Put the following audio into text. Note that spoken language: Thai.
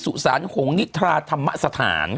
สุริยาจันทราทองเป็นหนังกลางแปลงในบริษัทอะไรนะครับ